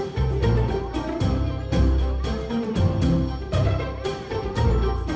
เพื่อนรับทราบ